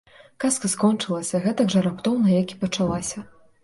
Казка скончылася гэтак жа раптоўна, як і пачалася.